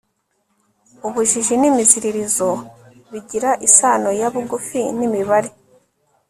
ubujiji n'imiziririzo bigira isano ya bugufi n'imibare